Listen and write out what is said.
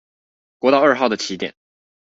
國道二號的起點